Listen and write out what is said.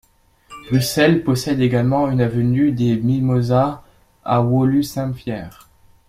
Bruxelles possède également une avenue des Mimosas à Woluwe-Saint-Pierre.